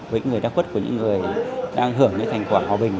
với những người đa khuất của những người đang hưởng đến thành quả hòa bình